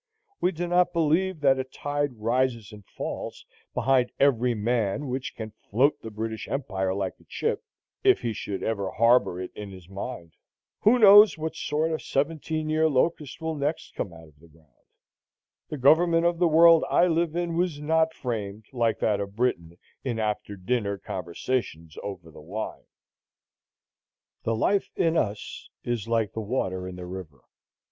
We do not believe that a tide rises and falls behind every man which can float the British Empire like a chip, if he should ever harbor it in his mind. Who knows what sort of seventeen year locust will next come out of the ground? The government of the world I live in was not framed, like that of Britain, in after dinner conversations over the wine. The life in us is like the water in the river.